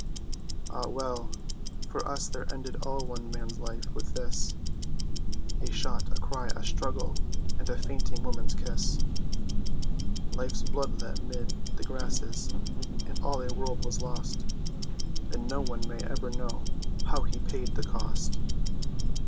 Ah well! for us there ended all one man's life with this— A shot, a cry, a struggle, and a fainting woman's kiss; Life's blood let 'mid the grasses—and all a world was lost, And no one may ever know how he paid the cost.